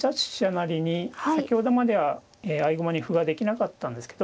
成に先ほどまではえ合駒に歩はできなかったんですけど。